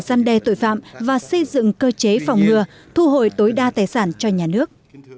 gian đe tội phạm và xây dựng cơ chế phòng ngừa thu hồi tối đa tài sản cho nhà nước